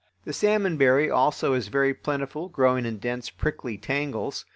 The salmon berry also is very plentiful, growing in dense prickly tangles.